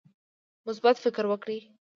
مثبت فکر وکړئ